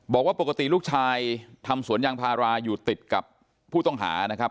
บอกว่าปกติลูกชายทำสวนยางพาราอยู่ติดกับผู้ต้องหานะครับ